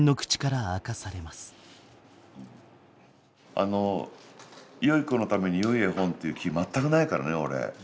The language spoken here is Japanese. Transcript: あのよい子のためによい絵本っていう気全くないからね俺。